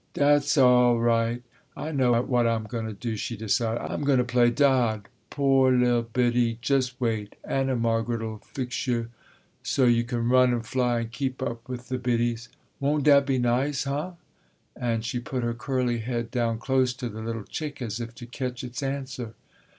"Dat's all 'ight, I know what I'm gonna do," she decided, "I'm gonna play Dod. Poor l'll biddie, just wait, Anna Margaret'll fix yo', so you can run and fly and keep up with the biddies. Won't dat be nice, uh?" And she put her curly head down close to the little chick as if to catch its answer.